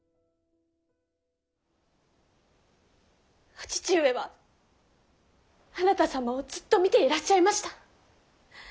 お義父上はあなた様をずっと見ていらっしゃいました。